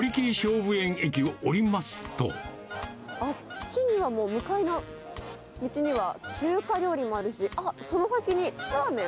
あっちにはもう向かいの道には中華料理もあるし、あっ、その先にラーメン。